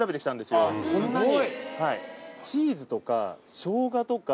すごい。